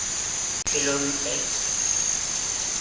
Quel homme est-ce ?